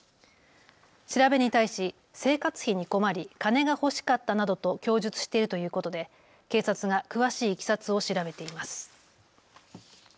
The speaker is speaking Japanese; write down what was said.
調べに対し生活費に困り金が欲しかったなどと供述しているということで警察が詳しいいきさつを調べています。